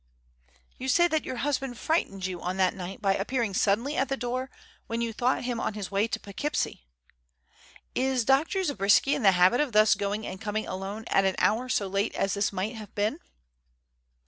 "You say that your husband frightened you on that night by appearing suddenly at the door when you thought him on his way to Poughkeepsie. Is Dr. Zabriskie in the habit of thus going and coming alone at an hour so late as this must have been?"